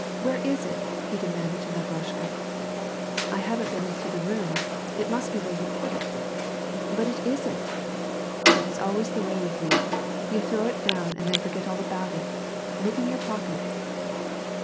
— Where is it?'' he demanded, turning to La Yrushka. '' I haven *t been into the room. It must be where you put it/' " But it isn't." " That is always the way with you. You throw it down and then forget all about it. Look in your pockets."